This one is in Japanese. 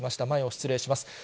前を失礼します。